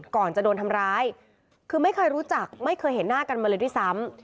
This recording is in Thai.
ก่อนจะโดนทำร้ายคือไม่เคยรู้จักไม่เคยเห็นหน้ากันมาเลยด้วยซ้ำ